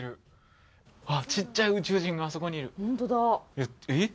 えっえっ？